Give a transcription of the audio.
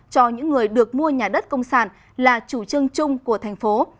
cho những người được mua nhà đất công sản là chủ trương chung của thành phố